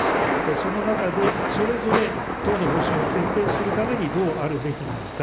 その中で、それぞれ党の方針を決定するためにどうあるべきなのか。